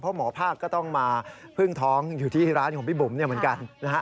เพราะหมอภาคก็ต้องมาพึ่งท้องอยู่ที่ร้านของพี่บุ๋มเนี่ยเหมือนกันนะฮะ